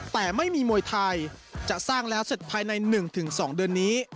แต่ไม่มีมวยไทยจะสร้างแล้วเสร็จภายใน๑๒เดือนนี้